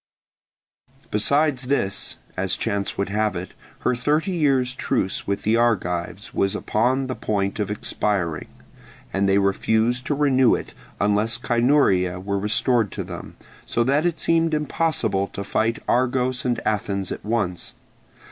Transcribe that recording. Besides this, as chance would have it, her thirty years' truce with the Argives was upon the point of expiring; and they refused to renew it unless Cynuria were restored to them; so that it seemed impossible to fight Argos and Athens at once.